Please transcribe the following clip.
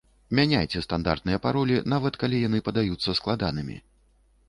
Мяняйце стандартныя паролі, нават калі яны падаюцца складанымі.